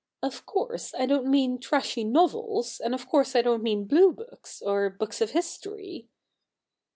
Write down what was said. ' Of course I don't mean trashy novels, and of course I don't mean blue books, or books of history.'